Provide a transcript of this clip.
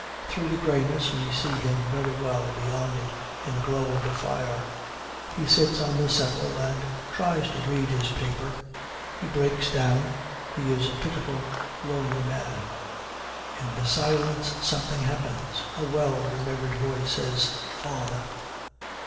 Through the greyness we see him very well beyond it in the glow of the fire. He sits on the settle and tries to read his paper. He breaks down. He is a pitiful lonely man. In the silence something happens. A well remembered voice says, 'Father.'